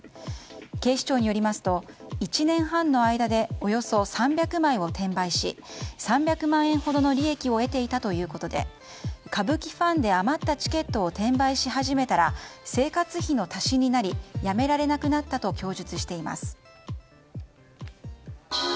警視庁によりますと１年半の間でおよそ３００枚を転売し３００万円ほどの利益を得ていたということで歌舞伎ファンで余ったチケットを転売し始めたら生活費の足しになりやめられなくなったと供述しています。